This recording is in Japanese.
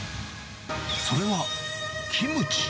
それはキムチ。